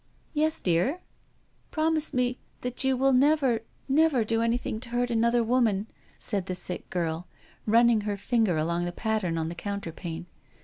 " Yes, dear." " Promise me that you will never, never do anything to hurt another woman," said the/ sick girl, running her finger along the pattern/ on the counterpane.